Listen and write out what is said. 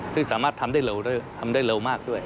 ซึ่งสามารถทำได้ทำได้เร็วมากด้วย